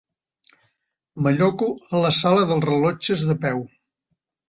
M'alloco a la sala dels rellotges de peu.